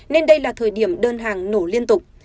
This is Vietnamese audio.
nên đây là thời điểm đơn hàng nổ liên tục